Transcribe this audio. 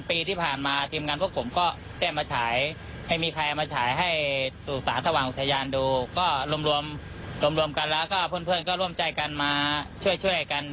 คิดว่าจะมีให้ทุกปี